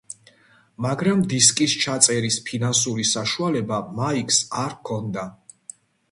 მაგრამ დისკის ჩაწერის ფინანსური საშუალება მაიკს არ ჰქონდა.